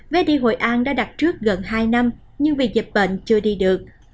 vé đi hội an đã đặt trước gần hai năm nhưng vì dịch bệnh chưa đi được